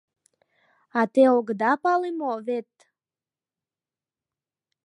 — А те огыда пале мо, вет...